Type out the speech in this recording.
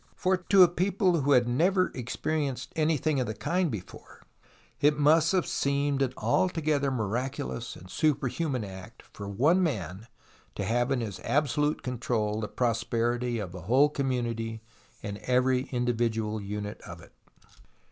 For to a people who had never experienced anything of the kind before it must have seemed an altogether miraculous and superhuman act for one man to have in his absolute control the prosperity of a whole community and every individual unit of it.